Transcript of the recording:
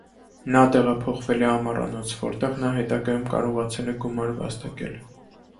Նա տեղափոխվել է ամառանոց, որտեղ նա հետագայում կարողացել է գումար վաստակել։